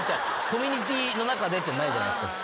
コミュニティーの中でっていうのないじゃないっすか。